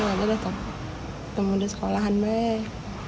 dia udah ketemu di sekolahan baik